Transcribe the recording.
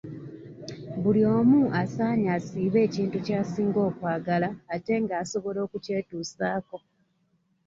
Buli omu asaanye asiibe ekintu ky'asinga okwagala ate nga asobola okukyetuusaako.